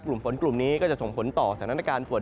กลุ่มฝนกลุ่มนี้ก็จะส่งผลต่อสถานการณ์ฝน